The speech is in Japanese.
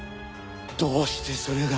どうしてそれが。